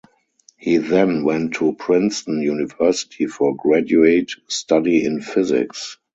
He then went to Princeton University for graduate study in physics.